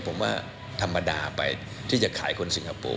ผมว่าธรรมดาไปที่จะขายคนสิงคโปร์